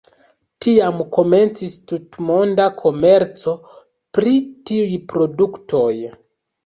Tiam komencis tutmonda komerco pri tiuj produktoj.